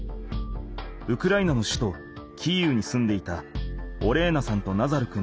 ウクライナの首都キーウに住んでいたオレーナさんとナザル君の親子。